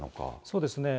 そうですね。